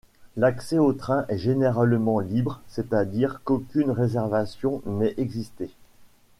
L'accès aux trains est généralement libre, c'est-à-dire qu'aucune réservation n'est exigée.